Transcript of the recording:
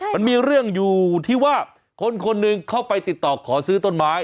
มันมีเรื่องอยู่ที่ว่าคนคนหนึ่งเข้าไปติดต่อขอซื้อต้นไม้